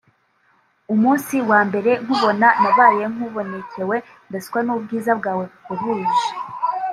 Umunsi wa mbere nkubona nabaye nk’ubonekewe ndaswa n’ubwiza bwawe buhebuje